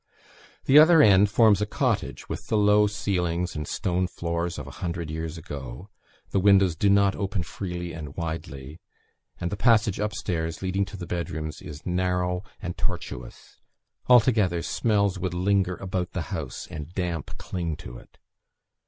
The other end forms a cottage, with the low ceilings and stone floors of a hundred years ago; the windows do not open freely and widely; and the passage upstairs, leading to the bedrooms, is narrow and tortuous: altogether, smells would linger about the house, and damp cling to it.